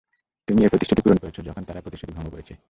তুমি প্রতিশ্রুতি পূরণ করেছো যখন তারা প্রতিশ্রুতি ভঙ্গ করেছে।